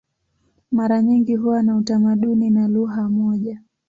Mara nyingi huwa na utamaduni na lugha moja.